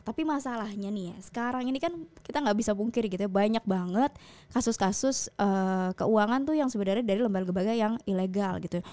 tapi masalahnya nih ya sekarang ini kan kita nggak bisa pungkiri gitu ya banyak banget kasus kasus keuangan tuh yang sebenarnya dari lembaga lembaga yang ilegal gitu